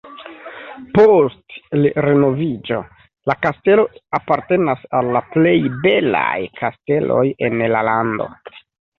Post le renoviĝo la kastelo apartenas al la plej belaj kasteloj en la lando.